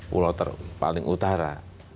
pulau paling utara